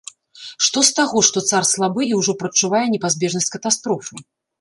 Што з таго, што цар слабы і ўжо прадчувае непазбежнасць катастрофы?